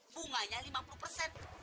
bunganya lima puluh persen